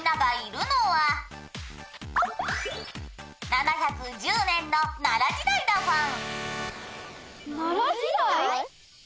「７１０年の奈良時代だフォン」